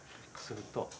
すると。